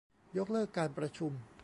ยกเลิกการประชุม